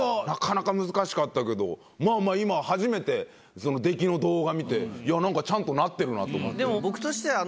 なかなか難しかったけどまぁ今初めて出来の動画見てなんかちゃんとなってるなと思って。